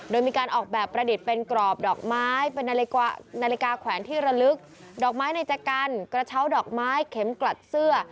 โดยมีการออกแบบประดิษฐ์เป็นกรอบดอกไม้เป็นนาฬิกาแขวนที่ระลึกดอกไม้ในใจกันกระเช้าดอกไม้เข็มกลัดเสื้อ